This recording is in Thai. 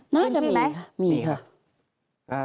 น่าจะมีไหมมีค่ะ